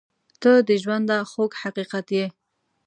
• ته د ژونده خوږ حقیقت یې.